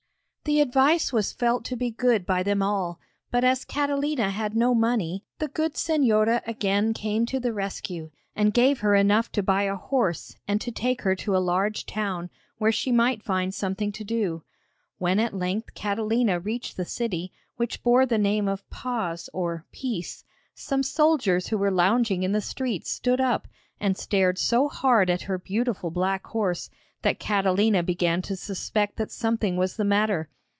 The advice was felt to be good by them all, but as Catalina had no money the good Señora again came to the rescue, and gave her enough to buy a horse and to take her to a large town, where she might find something to do. When at length Catalina reached the city, which bore the name of Paz or 'Peace,' some soldiers who were lounging in the streets stood up, and stared so hard at her beautiful black horse that Catalina began to suspect that something was the matter.